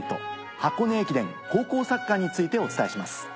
箱根駅伝高校サッカーについてお伝えします。